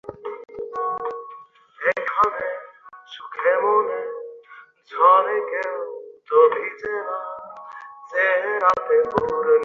না, আমার মনে হয় সে না।